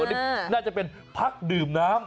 นี่น่าจะเป็นพักดื่มน้ำ